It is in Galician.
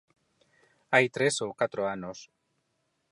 Hai tres ou catro anos.